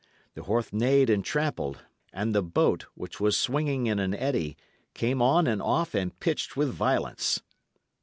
The horse neighed and trampled; and the boat, which was swinging in an eddy, came on and off and pitched with violence.